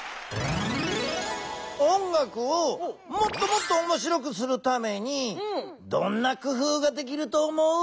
音楽をもっともっとおもしろくするためにどんな工夫ができると思う？